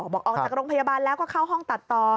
ออกจากโรงพยาบาลแล้วก็เข้าห้องตัดต่อ